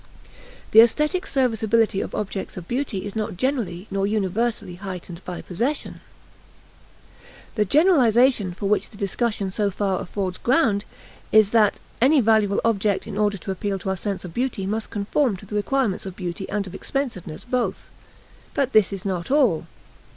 The aesthetic serviceability of objects of beauty is not greatly nor universally heightened by possession. The generalization for which the discussion so far affords ground is that any valuable object in order to appeal to our sense of beauty must conform to the requirements of beauty and of expensiveness both. But this is not all.